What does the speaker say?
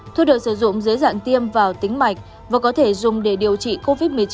thuốc được sử dụng dưới dạng tiêm vào tính mạch và có thể dùng để điều trị covid một mươi chín